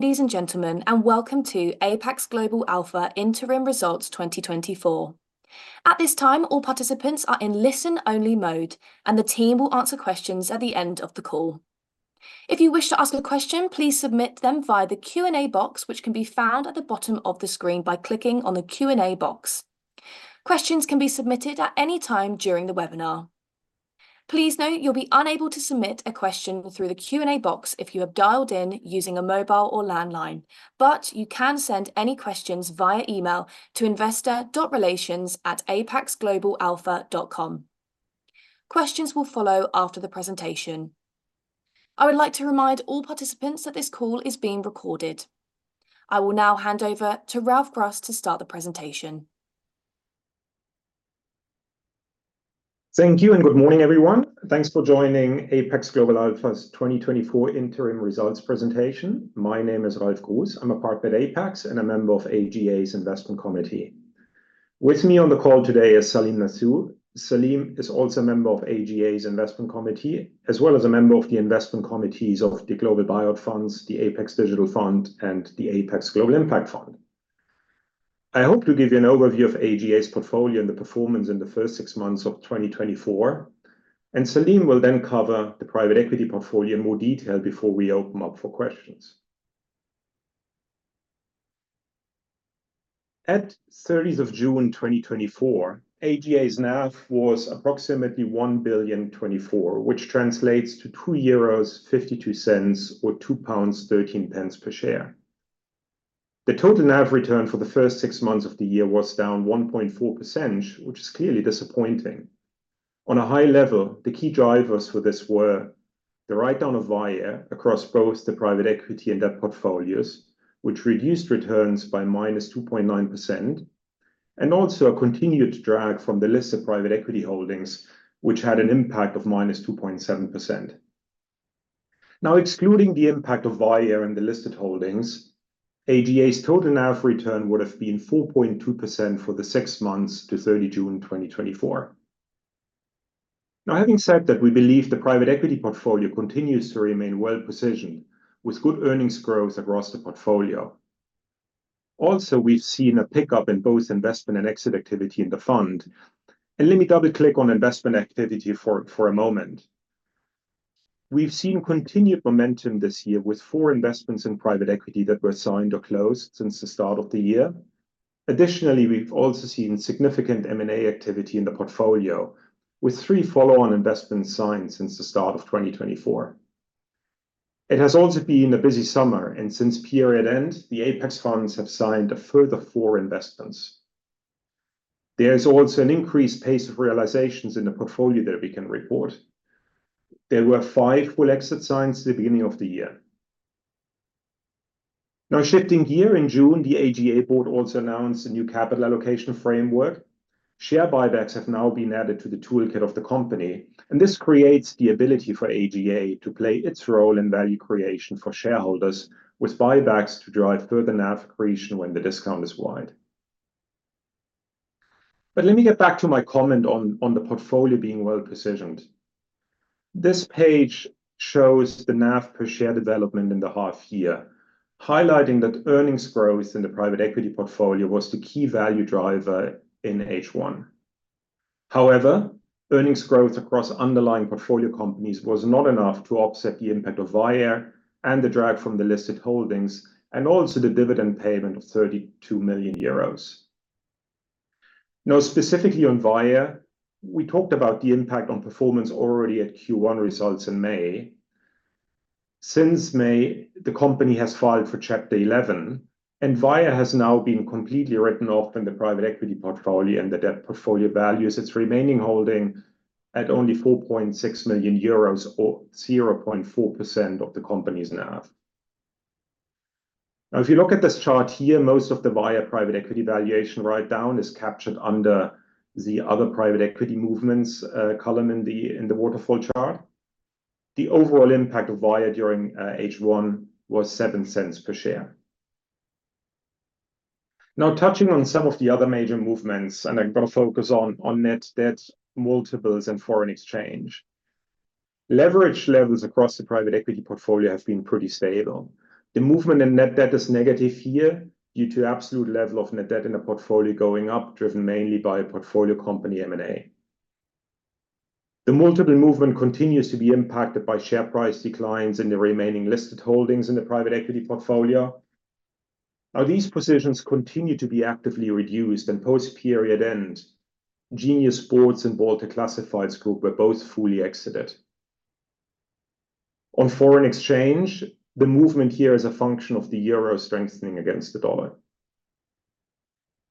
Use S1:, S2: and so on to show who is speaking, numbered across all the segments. S1: Ladies and gentlemen, welcome to Apax Global Alpha Interim Results 2024. At this time, all participants are in listen-only mode, and the team will answer questions at the end of the call. If you wish to ask a question, please submit them via the Q&A box, which can be found at the bottom of the screen by clicking on the Q&A box. Questions can be submitted at any time during the webinar. Please note you'll be unable to submit a question through the Q&A box if you have dialed in using a mobile or landline, but you can send any questions via email to investor.relations@apaxglobalalpha.com. Questions will follow after the presentation. I would like to remind all participants that this call is being recorded. I will now hand over to Ralf Grüss to start the presentation.
S2: Thank you, and good morning, everyone. Thanks for joining Apax Global Alpha's 2024 interim results presentation. My name is Ralf Grüss. I'm a partner at Apax and a member of AGA's investment committee. With me on the call today is Salim Nathoo. Salim is also a member of AGA's investment committee, as well as a member of the investment committees of the Global Private Funds, the Apax Digital Fund, and the Apax Global Impact Fund. I hope to give you an overview of AGA's portfolio and the performance in the first six months of 2024, and Salim will then cover the private equity portfolio in more detail before we open up for questions. At 30th of June, 2024, AGA's NAV was approximately 1.024 billion, which translates to 2.52 euros, or 2.13 pounds per share. The total NAV return for the first six months of the year was down 1.4%, which is clearly disappointing. On a high level, the key drivers for this were the write-down of Via across both the private equity and debt portfolios, which reduced returns by -2.9%, and also a continued drag from the listed private equity holdings, which had an impact of -2.7%. Now, excluding the impact of Via and the listed holdings, AGA's total NAV return would have been 4.2% for the six months to 30 June 2024. Now, having said that, we believe the private equity portfolio continues to remain well-positioned, with good earnings growth across the portfolio. Also, we've seen a pickup in both investment and exit activity in the fund. And let me double-click on investment activity for a moment. We've seen continued momentum this year with four investments in private equity that were signed or closed since the start of the year. Additionally, we've also seen significant M&A activity in the portfolio, with three follow-on investments signed since the start of 2024. It has also been a busy summer, and since period end, the Apax funds have signed a further four investments. There is also an increased pace of realizations in the portfolio that we can report. There were five full exits signed since the beginning of the year. Now, shifting gear, in June, the AGA board also announced a new capital allocation framework. Share buybacks have now been added to the toolkit of the company, and this creates the ability for AGA to play its role in value creation for shareholders, with buybacks to drive further NAV creation when the discount is wide. But let me get back to my comment on the portfolio being well-positioned. This page shows the NAV per share development in the half year, highlighting that earnings growth in the private equity portfolio was the key value driver in H1. However, earnings growth across underlying portfolio companies was not enough to offset the impact of Via and the drag from the listed holdings, and also the dividend payment of 32 million euros. Now, specifically on Via, we talked about the impact on performance already at Q1 results in May. Since May, the company has filed for Chapter 11, and Via has now been completely written off in the private equity portfolio and the debt portfolio values, its remaining holding at only 4.6 million euros, or 0.4% of the company's NAV. Now, if you look at this chart here, most of the Via private equity valuation write-down is captured under the other private equity movements column in the waterfall chart. The overall impact of Via during H1 was 7 pence per share. Now, touching on some of the other major movements, and I'm going to focus on net debt, multiples, and foreign exchange. Leverage levels across the private equity portfolio have been pretty stable. The movement in net debt is negative here due to absolute level of net debt in the portfolio going up, driven mainly by portfolio company M&A. The multiple movement continues to be impacted by share price declines in the remaining listed holdings in the private equity portfolio. Now, these positions continue to be actively reduced, and post-period end, Genius Sports and Baltic Classifieds Group were both fully exited. On foreign exchange, the movement here is a function of the euro strengthening against the dollar.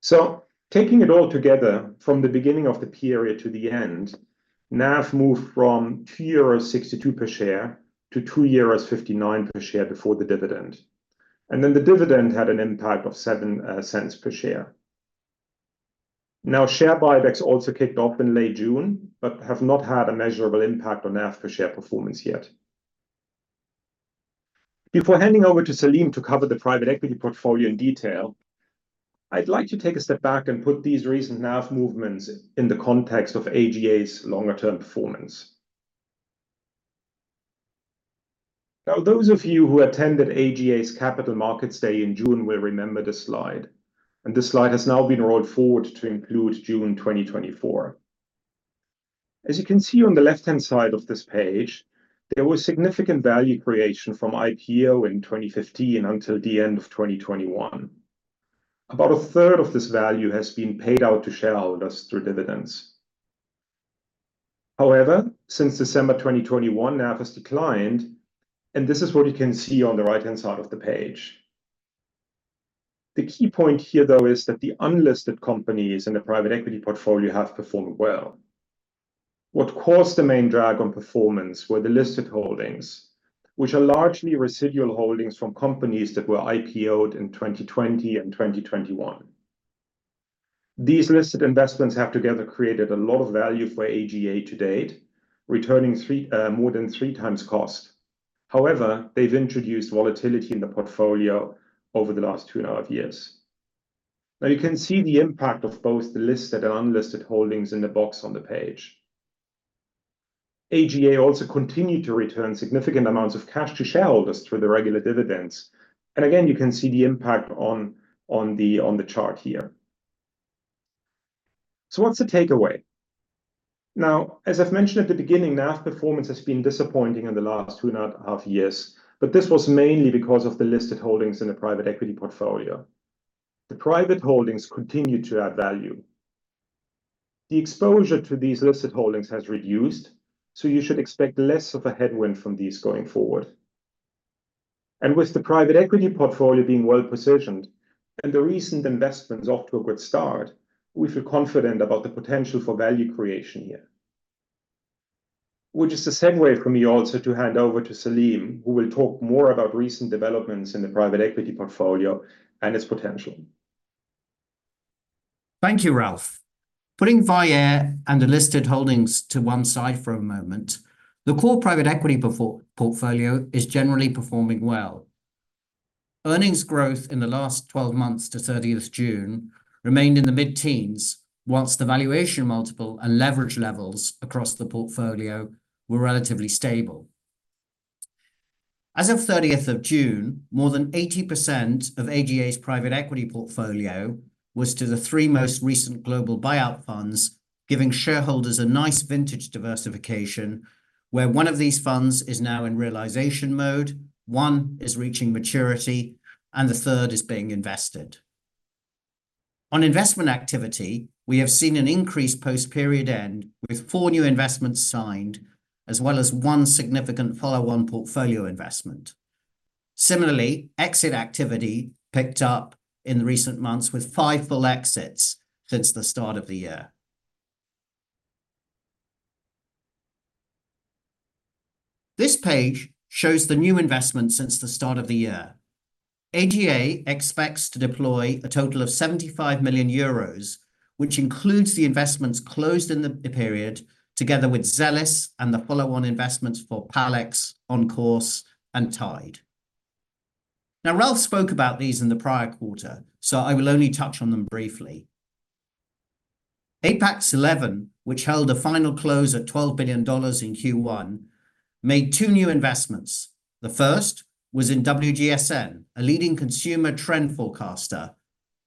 S2: So taking it all together, from the beginning of the period to the end, NAV moved from 2.62 euros per share to 2.59 euros per share before the dividend. And then the dividend had an impact of seven cents per share. Now, share buybacks also kicked off in late June, but have not had a measurable impact on NAV per share performance yet. Before handing over to Salim to cover the private equity portfolio in detail, I'd like to take a step back and put these recent NAV movements in the context of AGA's longer-term performance. Now, those of you who attended AGA's Capital Markets Day in June will remember this slide, and this slide has now been rolled forward to include June 2024. As you can see on the left-hand side of this page, there was significant value creation from IPO in 2015 until the end of 2021. About a third of this value has been paid out to shareholders through dividends. However, since December 2021, NAV has declined, and this is what you can see on the right-hand side of the page. The key point here, though, is that the unlisted companies in the private equity portfolio have performed well. What caused the main drag on performance were the listed holdings, which are largely residual holdings from companies that were IPO'd in 2020 and 2021. These listed investments have together created a lot of value for AGA to date, returning more than 3x cost. However, they've introduced volatility in the portfolio over the last two and a half years. Now, you can see the impact of both the listed and unlisted holdings in the box on the page. AGA also continued to return significant amounts of cash to shareholders through the regular dividends, and again, you can see the impact on the chart here. So what's the takeaway? Now, as I've mentioned at the beginning, NAV performance has been disappointing in the last two and a half years, but this was mainly because of the listed holdings in the private equity portfolio. The private holdings continued to add value. The exposure to these listed holdings has reduced, so you should expect less of a headwind from these going forward. And with the private equity portfolio being well-positioned and the recent investments off to a good start, we feel confident about the potential for value creation here, which is a segue for me also to hand over to Salim, who will talk more about recent developments in the private equity portfolio and its potential.
S3: Thank you, Ralf. Putting Vyaire and the listed holdings to one side for a moment, the core private equity portfolio is generally performing well. Earnings growth in the last twelve months to thirtieth June remained in the mid-teens, while the valuation multiple and leverage levels across the portfolio were relatively stable. As of thirtieth of June, more than 80% of AGA's private equity portfolio was to the three most recent global buyout funds, giving shareholders a nice vintage diversification, where one of these funds is now in realization mode, one is reaching maturity, and the third is being invested. On investment activity, we have seen an increase post-period end, with four new investments signed, as well as one significant follow-on portfolio investment. Similarly, exit activity picked up in recent months, with five full exits since the start of the year. This page shows the new investments since the start of the year. AGA expects to deploy a total of 75 million euros, which includes the investments closed in the period, together with Zellis and the follow-on investments for Palex, OnCourse, and Tide. Now, Ralf spoke about these in the prior quarter, so I will only touch on them briefly. Apax XI, which held a final close at $12 billion in Q1, made two new investments. The first was in WGSN, a leading consumer trend forecaster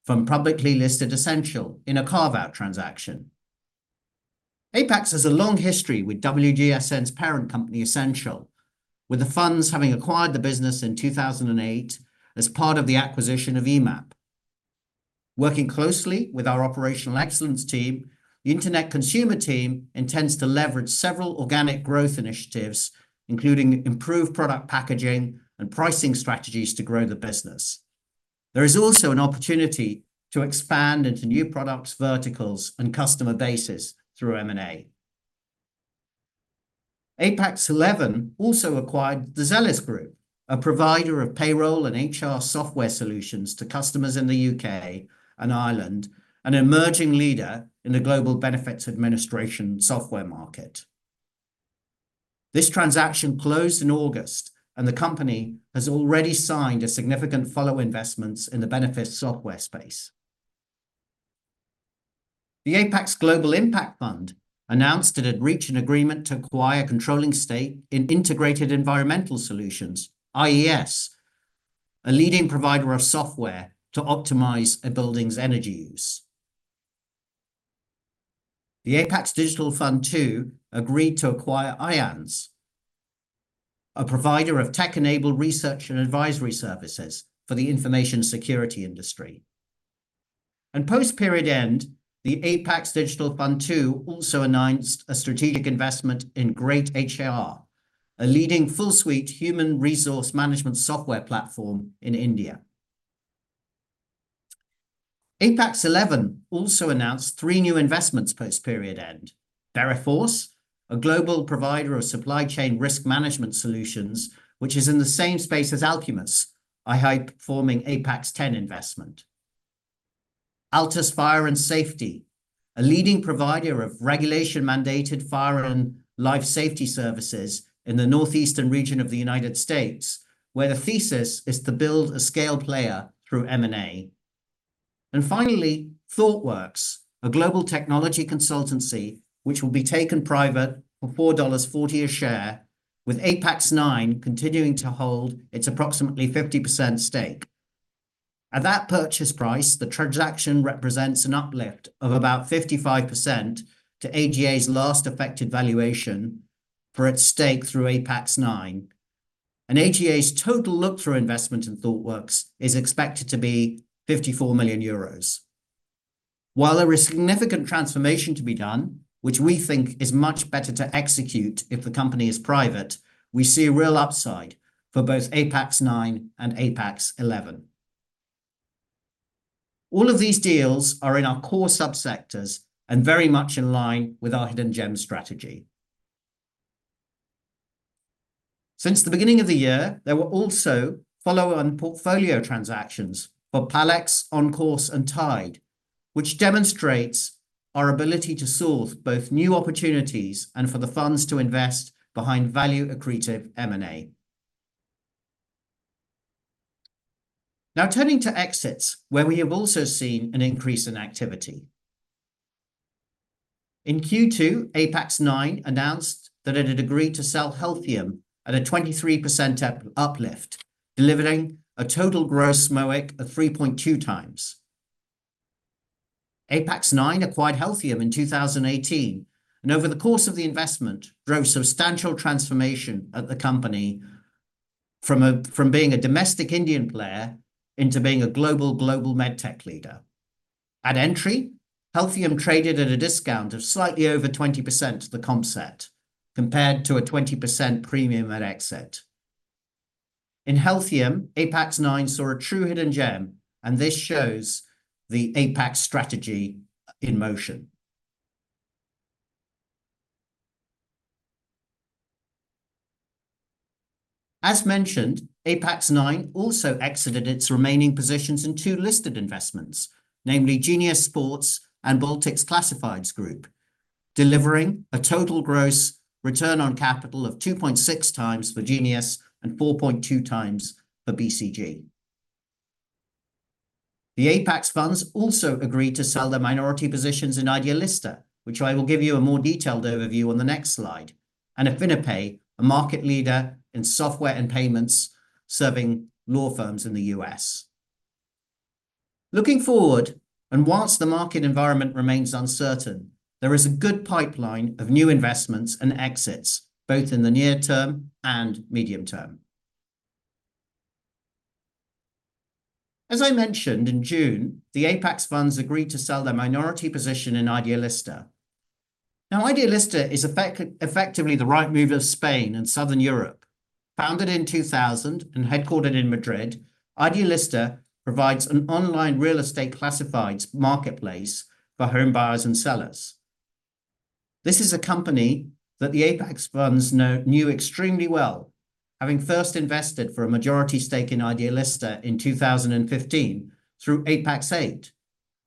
S3: from publicly listed Ascential in a carve-out transaction. Apax has a long history with WGSN's parent company, Ascential, with the funds having acquired the business in 2008 as part of the acquisition of EMAP. Working closely with our operational excellence team, the internet consumer team intends to leverage several organic growth initiatives, including improved product packaging and pricing strategies to grow the business. There is also an opportunity to expand into new products, verticals, and customer bases through M&A. Apax XI also acquired the Zellis group, a provider of payroll and HR software solutions to customers in the U.K. and Ireland, an emerging leader in the global benefits administration software market. This transaction closed in August, and the company has already signed a significant follow investments in the benefit software space. The Apax Global Impact Fund announced it had reached an agreement to acquire a controlling stake in Integrated Environmental Solutions, IES, a leading provider of software to optimize a building's energy use. The Apax Digital Fund II, agreed to acquire IANS, a provider of tech-enabled research and advisory services for the information security industry. And post-period end, the Apax Digital Fund II, also announced a strategic investment in greytHR, a leading full-suite human resource management software platform in India. Apax XI also announced three new investments post-period end. Veriforce, a global provider of supply chain risk management solutions, which is in the same space as Alcumus, a high-performing Apax X investment. Altus Fire & Life Safety, a leading provider of regulation-mandated fire and life safety services in the northeastern region of the United States, where the thesis is to build a scale player through M&A. And finally, Thoughtworks, a global technology consultancy, which will be taken private for $4.40 a share, with Apax IX continuing to hold its approximately 50% stake. At that purchase price, the transaction represents an uplift of about 55% to AGA's last affected valuation for its stake through Apax IX. And AGA's total look-through investment in Thoughtworks is expected to be 54 million euros. While there is significant transformation to be done, which we think is much better to execute if the company is private, we see a real upside for both Apax IX and Apax XI. All of these deals are in our core sub-sectors and very much in line with our Hidden Gem Strategy. Since the beginning of the year, there were also follow-on portfolio transactions for Palex, OnCourse, and Tide, which demonstrates our ability to source both new opportunities and for the funds to invest behind value-accretive M&A. Now, turning to exits, where we have also seen an increase in activity. In Q2, Apax IX announced that it had agreed to sell Healthium at a 23% uplift, delivering a total gross MOIC of 3.2x. Apax IX acquired Healthium in 2018, and over the course of the investment, drove substantial transformation at the company from being a domestic Indian player into being a global med tech leader. At entry, Healthium traded at a discount of slightly over 20% to the comp set, compared to a 20% premium at exit. In Healthium, Apax IX saw a true hidden gem, and this shows the Apax strategy in motion. As mentioned, Apax IX also exited its remaining positions in two listed investments, namely Genius Sports and Baltic Classifieds Group, delivering a total gross return on capital of 2.6x for Genius and 4.2x for BCG. The Apax funds also agreed to sell their minority positions in Idealista, which I will give you a more detailed overview on the next slide, and Affinipay, a market leader in software and payments, serving law firms in the U.S. Looking forward, and while the market environment remains uncertain, there is a good pipeline of new investments and exits, both in the near term and medium term. As I mentioned, in June, the Apax funds agreed to sell their minority position in Idealista. Now, Idealista is effectively the Rightmove of Spain and Southern Europe. Founded in 2000 and headquartered in Madrid, Idealista provides an online real estate classifieds marketplace for home buyers and sellers. This is a company that the Apex funds knew extremely well, having first invested for a majority stake in Idealista in 2015 through Apax VIII,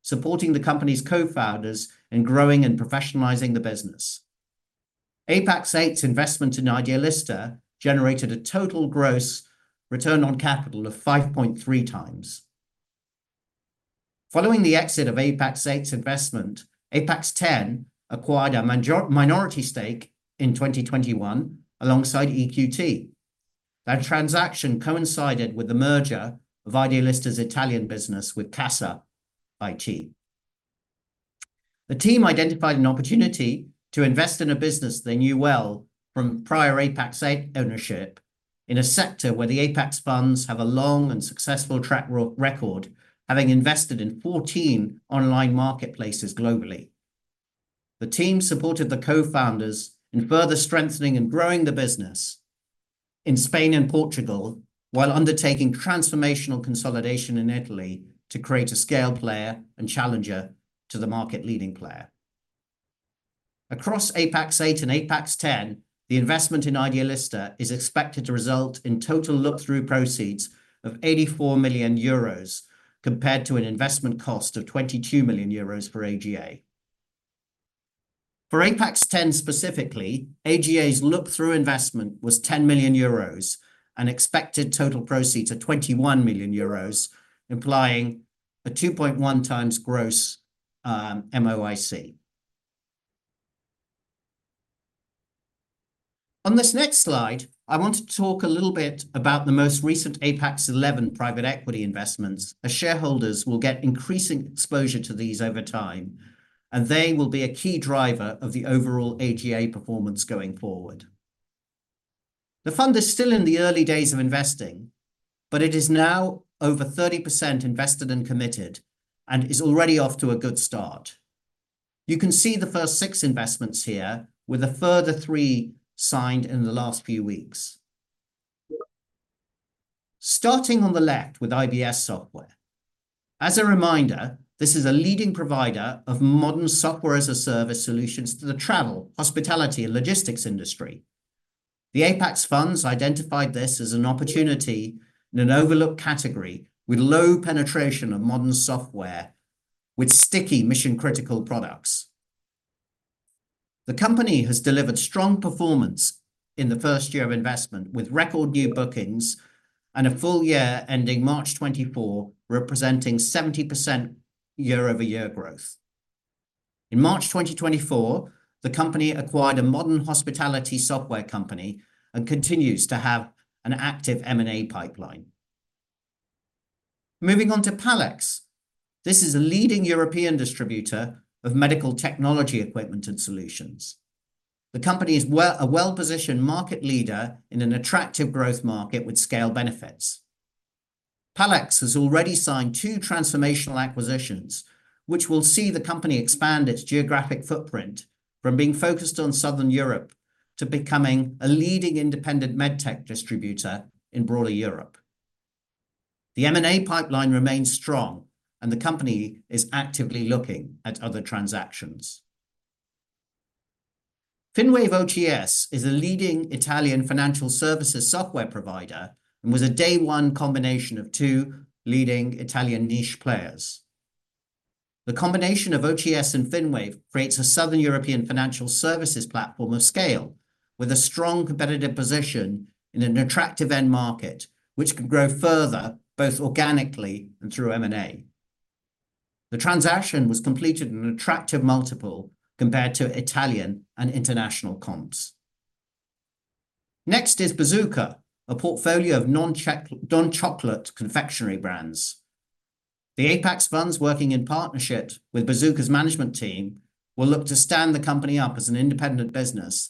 S3: supporting the company's co-founders in growing and professionalizing the business. Apax VIII's investment in Idealista generated a total gross return on capital of 5.3x. Following the exit of Apax VIII's investment, Apex X acquired a majority-minority stake in 2021 alongside EQT. That transaction coincided with the merger of Idealista's Italian business with Casa.it. The team identified an opportunity to invest in a business they knew well from prior Apax VIII ownership in a sector where the Apex funds have a long and successful track record, having invested in 14 online marketplaces globally. The team supported the co-founders in further strengthening and growing the business in Spain and Portugal, while undertaking transformational consolidation in Italy to create a scale player and challenger to the market-leading player. Across Apax VIII and Apax X, the investment in Idealista is expected to result in total look-through proceeds of 84 million euros, compared to an investment cost of 22 million euros for AGA. For Apax X, specifically, AGA's look-through investment was 10 million euros and expected total proceeds are 21 million euros, implying a 2.1x gross MOIC. On this next slide, I want to talk a little bit about the most recent Apax XI private equity investments, as shareholders will get increasing exposure to these over time, and they will be a key driver of the overall AGA performance going forward. The fund is still in the early days of investing, but it is now over 30% invested and committed and is already off to a good start. You can see the first six investments here, with a further three signed in the last few weeks. Starting on the left with IBS Software. As a reminder, this is a leading provider of modern software-as-a-service solutions to the travel, hospitality, and logistics industry. The Apex funds identified this as an opportunity in an overlooked category with low penetration of modern software, with sticky mission-critical products.... The company has delivered strong performance in the first year of investment, with record new bookings and a full year ending March 2024, representing 70% year-over-year growth. In March 2024, the company acquired a modern hospitality software company and continues to have an active M&A pipeline. Moving on to Palex. This is a leading European distributor of medical technology equipment and solutions. The company is a well-positioned market leader in an attractive growth market with scale benefits. Palex has already signed two transformational acquisitions, which will see the company expand its geographic footprint from being focused on Southern Europe to becoming a leading independent med tech distributor in broader Europe. The M&A pipeline remains strong, and the company is actively looking at other transactions. Finwave OCS is a leading Italian financial services software provider and was a day one combination of two leading Italian niche players. The combination of OCS and Finwave creates a Southern European financial services platform of scale, with a strong competitive position in an attractive end market, which can grow further, both organically and through M&A. The transaction was completed in an attractive multiple compared to Italian and international comps. Next is Bazooka, a portfolio of non-chocolate confectionery brands. The Apex funds, working in partnership with Bazooka's management team, will look to stand the company up as an independent business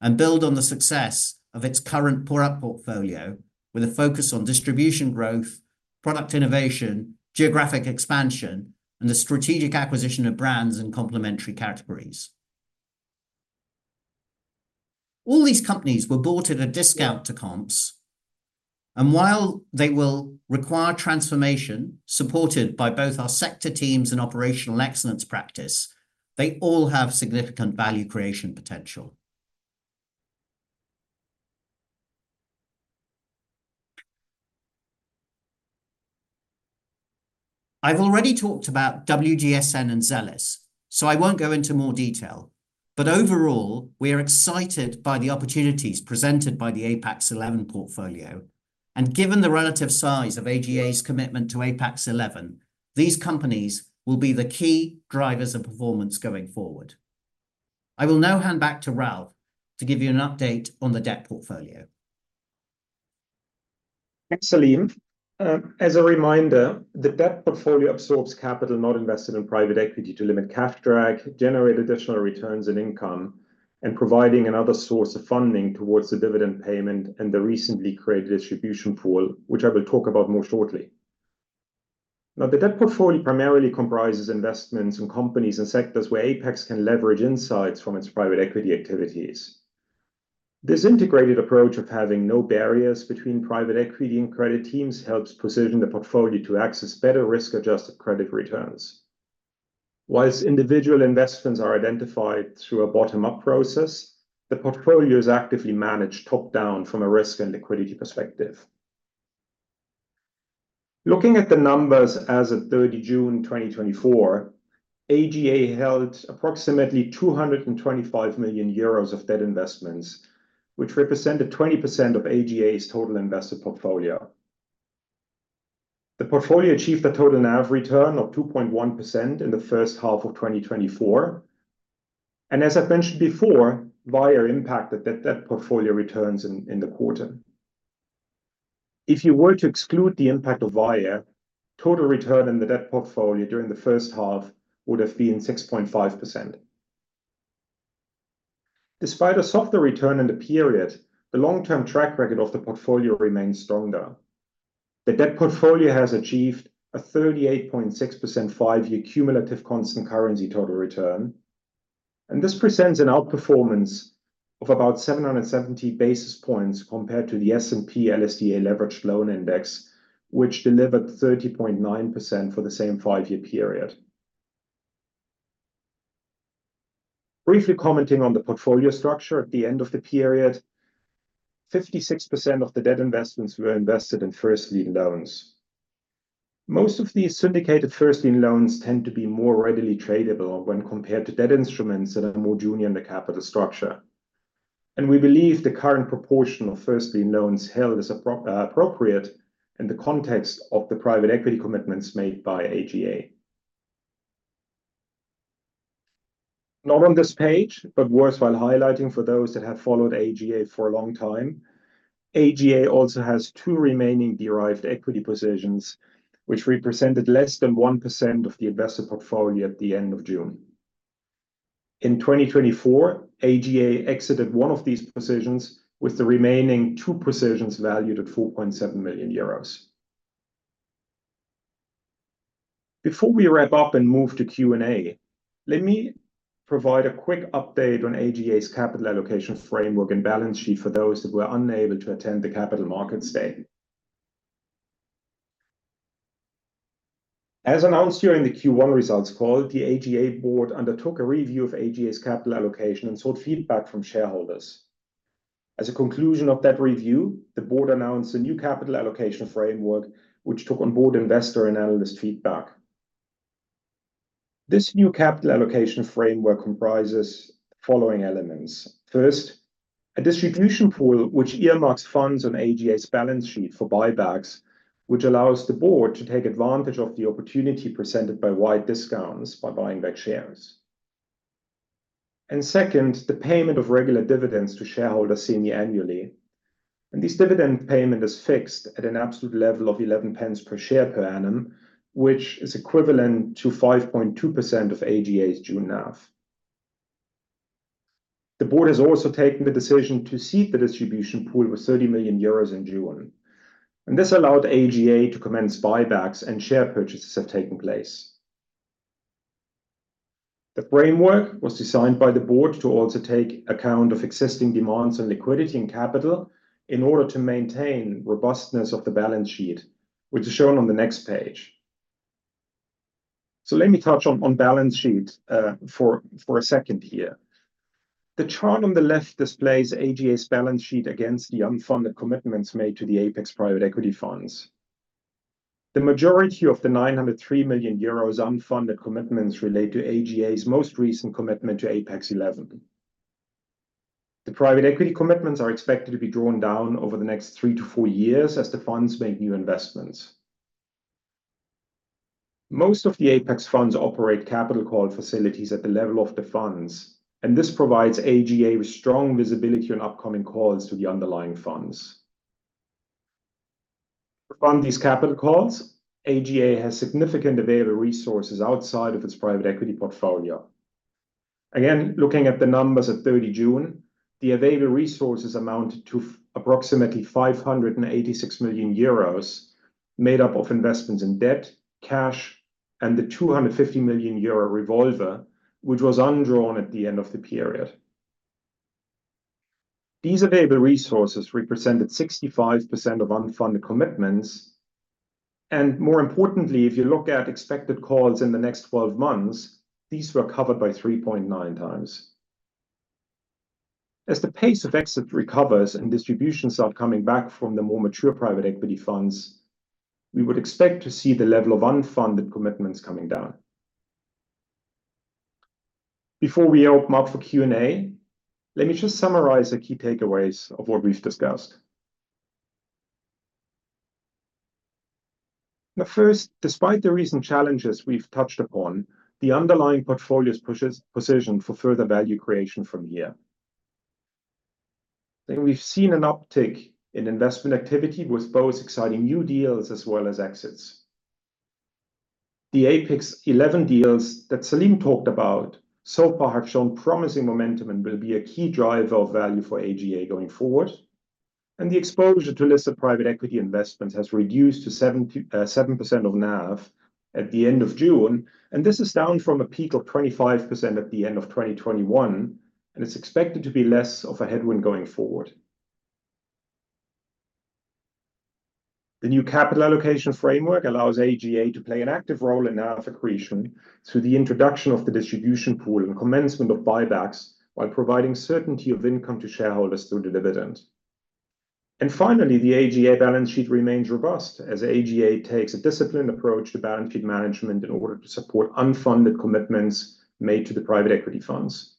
S3: and build on the success of its current product portfolio, with a focus on distribution growth, product innovation, geographic expansion, and the strategic acquisition of brands and complementary categories. All these companies were bought at a discount to comps, and while they will require transformation, supported by both our sector teams and operational excellence practice, they all have significant value creation potential. I've already talked about WGSN and Zellis, so I won't go into more detail. Overall, we are excited by the opportunities presented by the Apex Eleven portfolio, and given the relative size of AGA's commitment to Apex Eleven, these companies will be the key drivers of performance going forward. I will now hand back to Ralf to give you an update on the debt portfolio.
S2: Thanks, Salim. As a reminder, the debt portfolio absorbs capital not invested in private equity to limit cash drag, generate additional returns and income, and providing another source of funding towards the dividend payment and the recently created distribution pool, which I will talk about more shortly. Now, the debt portfolio primarily comprises investments in companies and sectors where Apex can leverage insights from its private equity activities. This integrated approach of having no barriers between private equity and credit teams helps position the portfolio to access better risk-adjusted credit returns. While individual investments are identified through a bottom-up process, the portfolio is actively managed top-down from a risk and liquidity perspective. Looking at the numbers as of 30 June 2024, AGA held approximately 225 million euros of debt investments, which represented 20% of AGA's total invested portfolio. The portfolio achieved a total NAV return of 2.1% in the first half of 2024, and as I've mentioned before, Via impacted the debt portfolio returns in the quarter. If you were to exclude the impact of Via, total return in the debt portfolio during the first half would have been 6.5%. Despite a softer return in the period, the long-term track record of the portfolio remains stronger. The debt portfolio has achieved a 38.6% five-year cumulative constant currency total return, and this presents an outperformance of about seven hundred and seventy basis points compared to the S&P/LSTA Leveraged Loan Index, which delivered 30.9% for the same five-year period. Briefly commenting on the portfolio structure at the end of the period, 56% of the debt investments were invested in first lien loans. Most of these syndicated first lien loans tend to be more readily tradable when compared to debt instruments that are more junior in the capital structure. And we believe the current proportion of first lien loans held is appropriate in the context of the private equity commitments made by AGA. Not on this page, but worthwhile highlighting for those that have followed AGA for a long time, AGA also has two remaining derived equity positions, which represented less than 1% of the invested portfolio at the end of June. In 2024, AGA exited one of these positions, with the remaining two positions valued at 4.7 million euros. Before we wrap up and move to Q&A, let me provide a quick update on AGA's capital allocation framework and balance sheet for those who were unable to attend the capital markets day. As announced during the Q1 results call, the AGA board undertook a review of AGA's capital allocation and sought feedback from shareholders. As a conclusion of that review, the board announced a new capital allocation framework, which took on board investor and analyst feedback. This new capital allocation framework comprises following elements. First, a distribution pool, which earmarks funds on AGA's balance sheet for buybacks, which allows the board to take advantage of the opportunity presented by wide discounts by buying back shares. And second, the payment of regular dividends to shareholders semi-annually, and this dividend payment is fixed at an absolute level of 0.11 per share per annum, which is equivalent to 5.2% of AGA's June NAV. The board has also taken the decision to seed the distribution pool with 30 million euros in June, and this allowed AGA to commence buybacks, and share purchases have taken place. The framework was designed by the board to also take account of existing demands on liquidity and capital in order to maintain robustness of the balance sheet, which is shown on the next page. So let me touch on balance sheet for a second here. The chart on the left displays AGA's balance sheet against the unfunded commitments made to the Apax Private Equity Funds. The majority of the 903 million euros unfunded commitments relate to AGA's most recent commitment to Apax XI. The private equity commitments are expected to be drawn down over the next three to four years as the funds make new investments. Most of the Apax funds operate capital call facilities at the level of the funds, and this provides AGA with strong visibility on upcoming calls to the underlying funds. To fund these capital calls, AGA has significant available resources outside of its private equity portfolio. Again, looking at the numbers at 30 June, the available resources amounted to approximately 586 million euros, made up of investments in debt, cash, and the 250 million euro revolver, which was undrawn at the end of the period. These available resources represented 65% of unfunded commitments, and more importantly, if you look at expected calls in the next 12 months, these were covered by 3.9x. As the pace of exit recovers and distributions are coming back from the more mature private equity funds, we would expect to see the level of unfunded commitments coming down. Before we open up for Q&A, let me just summarize the key takeaways of what we've discussed. Now, first, despite the recent challenges we've touched upon, the underlying portfolio is well positioned for further value creation from here. Then we've seen an uptick in investment activity with both exciting new deals as well as exits. The Apax XI deals that Salim talked about so far have shown promising momentum and will be a key driver of value for AGA going forward, and the exposure to listed private equity investments has reduced to 7% of NAV at the end of June, and this is down from a peak of 25% at the end of 2021, and it's expected to be less of a headwind going forward. The new capital allocation framework allows AGA to play an active role in NAV accretion through the introduction of the distribution pool and commencement of buybacks, while providing certainty of income to shareholders through the dividend. Finally, the AGA balance sheet remains robust as AGA takes a disciplined approach to balance sheet management in order to support unfunded commitments made to the private equity funds.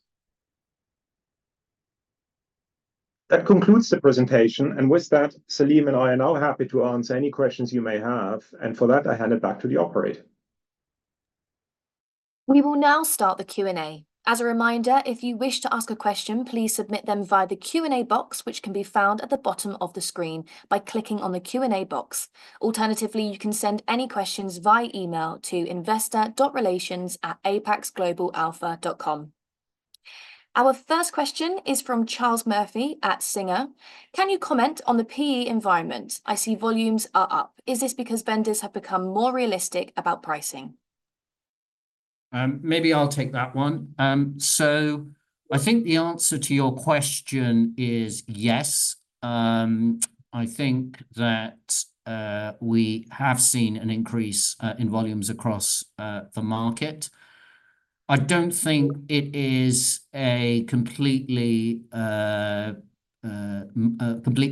S2: That concludes the presentation, and with that, Salim and I are now happy to answer any questions you may have, and for that, I hand it back to the operator.
S1: We will now start the Q&A. As a reminder, if you wish to ask a question, please submit them via the Q&A box, which can be found at the bottom of the screen by clicking on the Q&A box. Alternatively, you can send any questions via email to investor.relations@apaxglobalalpha.com. Our first question is from Charles Murphy at Singer. Can you comment on the PE environment? I see volumes are up. Is this because vendors have become more realistic about pricing?
S3: Maybe I'll take that one. So I think the answer to your question is yes. I think that we have seen an increase in volumes across the market. I don't think it is a complete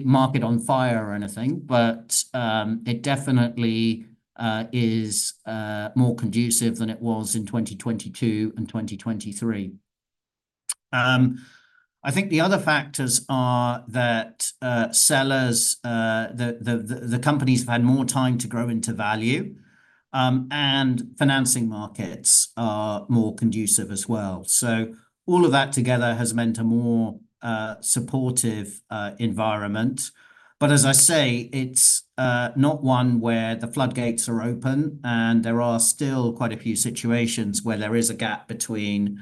S3: market on fire or anything, but it definitely is more conducive than it was in 2022 and 2023. I think the other factors are that sellers, the companies have had more time to grow into value, and financing markets are more conducive as well. So all of that together has meant a more supportive environment. As I say, it's not one where the floodgates are open, and there are still quite a few situations where there is a gap between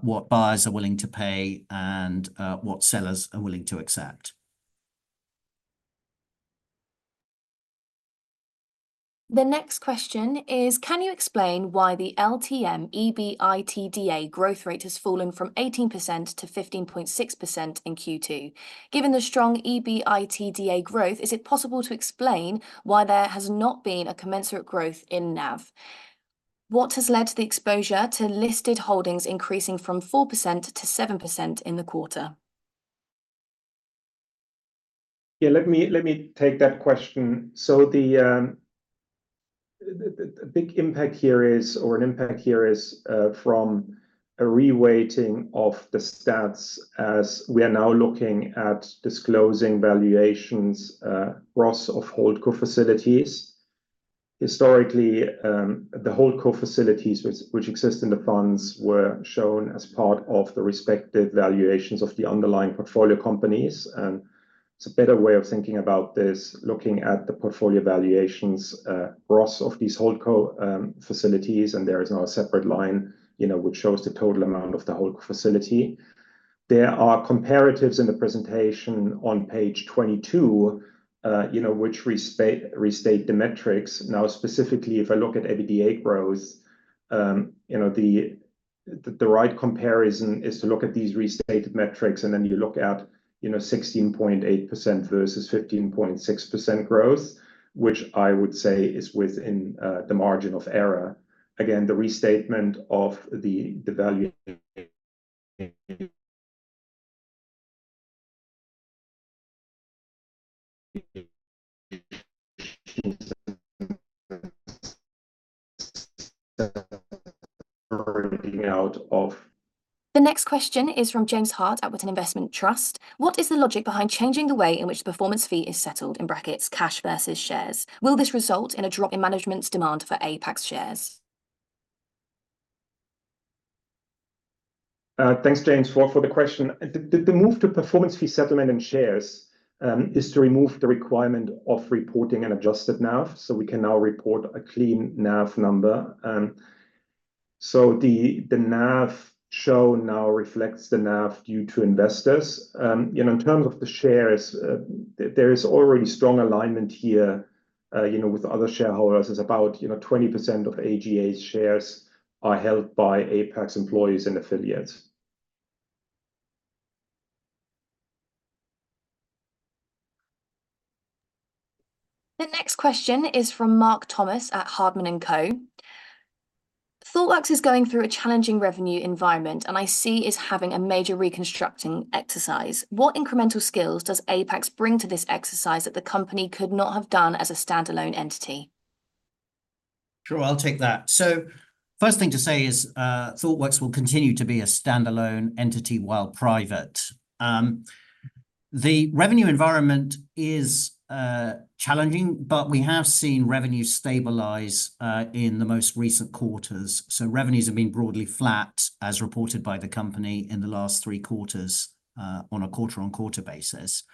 S3: what buyers are willing to pay and what sellers are willing to accept.
S1: The next question is, can you explain why the LTM EBITDA growth rate has fallen from 18% to 15.6% in Q2? Given the strong EBITDA growth, is it possible to explain why there has not been a commensurate growth in NAV? What has led to the exposure to listed holdings increasing from 4% to 7% in the quarter?
S2: Yeah, let me take that question. So the big impact here is, or an impact here is, from a re-weighting of the stats as we are now looking at disclosing valuations gross of holdco facilities. Historically, the holdco facilities which exist in the funds were shown as part of the respective valuations of the underlying portfolio companies. And it's a better way of thinking about this, looking at the portfolio valuations gross of these holdco facilities, and there is now a separate line, you know, which shows the total amount of the holdco facility. There are comparatives in the presentation on page 22, you know, which restate the metrics. Now, specifically, if I look at EBITDA growth, you know, the right comparison is to look at these restated metrics, and then you look at, you know, 16.8% versus 15.6% growth, which I would say is within the margin of error. Again, the restatement of the value out of-
S1: The next question is from James Hart at Whitman Investment Trust: What is the logic behind changing the way in which the performance fee is settled, in brackets, cash versus shares? Will this result in a drop in management's demand for Apax shares?
S2: Thanks, James, for the question. The move to performance fee settlement in shares is to remove the requirement of reporting an adjusted NAV, so we can now report a clean NAV number. So the NAV shown now reflects the NAV due to investors. You know, in terms of the shares, there is already strong alignment here, you know, with other shareholders. There's about, you know, 20% of AGA's shares are held by Apax employees and affiliates.
S1: The next question is from Mark Thomas at Hardman & Co: Thoughtworks is going through a challenging revenue environment, and I see it's having a major restructuring exercise. What incremental skills does Apax bring to this exercise that the company could not have done as a standalone entity?
S3: Sure, I'll take that. So first thing to say is, Thoughtworks will continue to be a standalone entity while private. The revenue environment is challenging, but we have seen revenue stabilize in the most recent quarters. So revenues have been broadly flat, as reported by the company in the last three quarters on a quarter-on-quarter basis.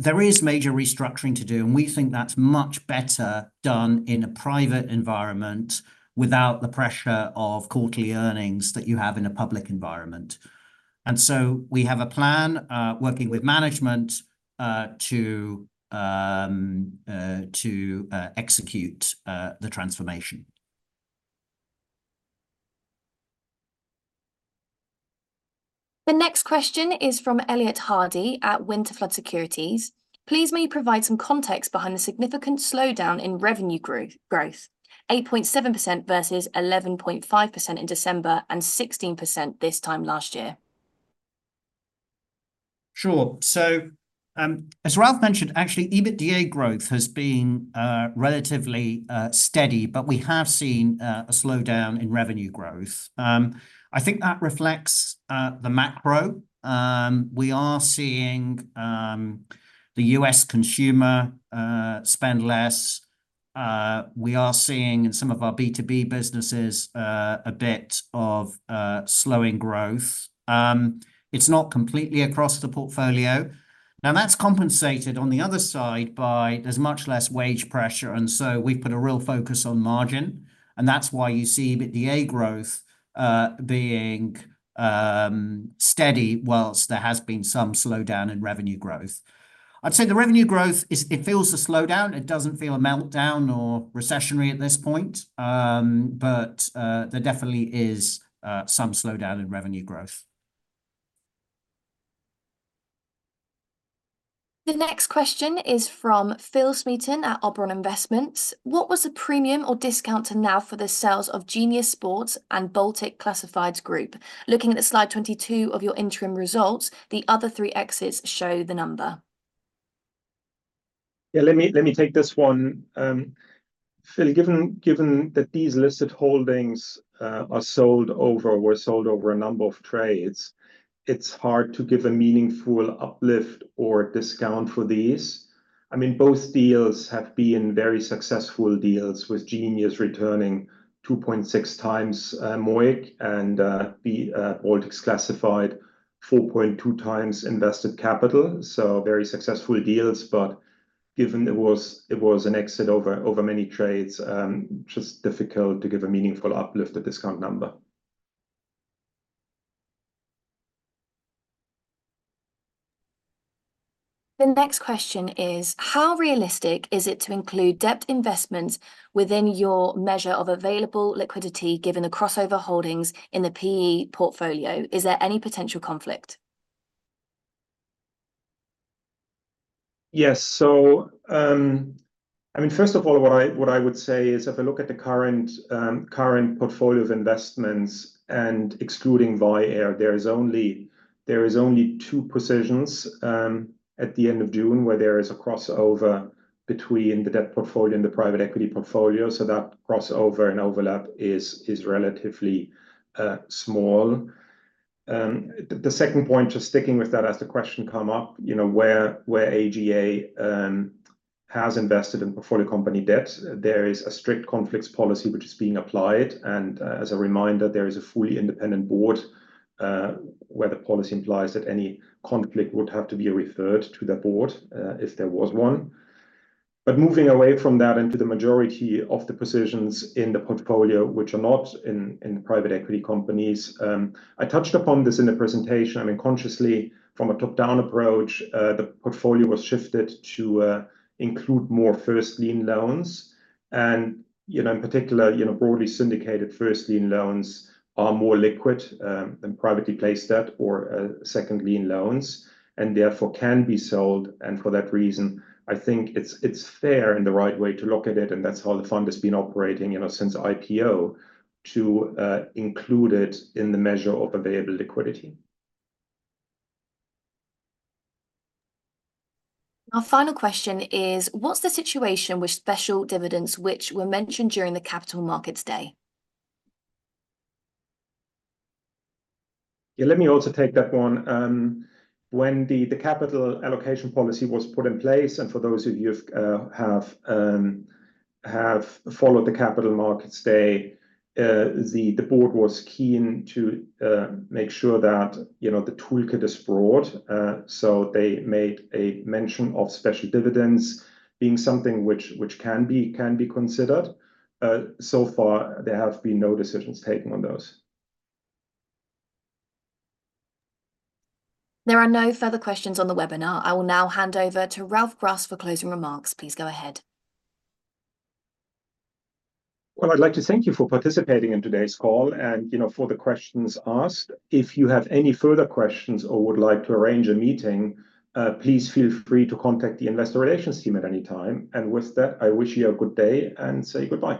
S3: There is major restructuring to do, and we think that's much better done in a private environment without the pressure of quarterly earnings that you have in a public environment. And so we have a plan working with management to execute the transformation.
S1: The next question is from Elliot Hardy at Winterflood Securities: Please may you provide some context behind the significant slowdown in revenue growth, 8.7% versus 11.5% in December and 16% this time last year?
S3: Sure. So, as Ralf mentioned, actually, EBITDA growth has been relatively steady, but we have seen a slowdown in revenue growth. I think that reflects the macro. We are seeing the U.S. consumer spend less. We are seeing in some of our B2B businesses a bit of slowing growth. It's not completely across the portfolio. Now, that's compensated on the other side by there's much less wage pressure, and so we've put a real focus on margin, and that's why you see EBITDA growth being steady, whilst there has been some slowdown in revenue growth. I'd say the revenue growth is... It feels a slowdown. It doesn't feel a meltdown or recessionary at this point. But there definitely is some slowdown in revenue growth.
S1: The next question is from Phil Smeeton at Auburn Investments: What was the premium or discount to NAV for the sales of Genius Sports and Baltic Classifieds Group? Looking at the slide 22 of your interim results, the other three exits show the number.
S2: Yeah, let me take this one. Phil, given that these listed holdings are sold over, or were sold over a number of trades, it's hard to give a meaningful uplift or discount for these. I mean, both deals have been very successful deals, with Genius returning 2.6x MOIC, and the Baltic Classifieds 4.2x invested capital. So very successful deals, but given it was an exit over many trades, just difficult to give a meaningful uplift or discount number.
S1: The next question is: How realistic is it to include debt investments within your measure of available liquidity, given the crossover holdings in the PE portfolio? Is there any potential conflict?
S2: Yes, so, I mean, first of all, what I would say is if I look at the current portfolio of investments and excluding Vyaire, there is only two positions at the end of June, where there is a crossover between the debt portfolio and the private equity portfolio. So that crossover and overlap is relatively small. The second point, just sticking with that, as the question come up, you know, where AGA has invested in portfolio company debt, there is a strict conflicts policy which is being applied. And, as a reminder, there is a fully independent board, where the policy implies that any conflict would have to be referred to the board, if there was one. But moving away from that into the majority of the positions in the portfolio, which are not in private equity companies, I touched upon this in the presentation. I mean, consciously, from a top-down approach, the portfolio was shifted to include more first lien loans. And, you know, in particular, you know, broadly syndicated first lien loans are more liquid than privately placed debt or second lien loans, and therefore can be sold. And for that reason, I think it's fair and the right way to look at it, and that's how the fund has been operating, you know, since IPO, to include it in the measure of available liquidity.
S1: Our final question is: what's the situation with special dividends, which were mentioned during the Capital Markets Day?
S2: Yeah, let me also take that one. When the capital allocation policy was put in place, and for those of you who've followed the Capital Markets Day, the board was keen to make sure that, you know, the toolkit is broad. So they made a mention of special dividends being something which can be considered. So far, there have been no decisions taken on those.
S1: There are no further questions on the webinar. I will now hand over to Ralf Grüss for closing remarks. Please go ahead.
S2: I'd like to thank you for participating in today's call and, you know, for the questions asked. If you have any further questions or would like to arrange a meeting, please feel free to contact the investor relations team at any time. With that, I wish you a good day and say goodbye.